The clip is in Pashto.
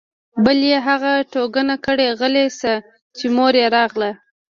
بل يې هغه ټونګه كړ غلى سه چې مور يې راغله.